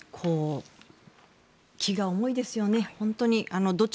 気が重いですよね。